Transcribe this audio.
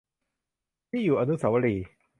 นี่อยู่อนุสาวรีย์